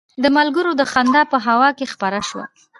د ملګرو خندا په هوا کې خپره شوه.